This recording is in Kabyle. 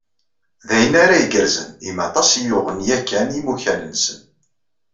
D ayen ara igerrzen, imi aṭas i yuɣen yakan imukan-nsen.